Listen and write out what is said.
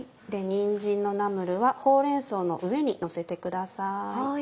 にんじんのナムルはほうれん草の上にのせてください。